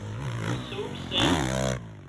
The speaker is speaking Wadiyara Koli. سئوٽ سي